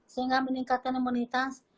sehingga meningkatkan imunitas